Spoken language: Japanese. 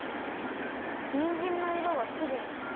にんじんのいろがきれいです。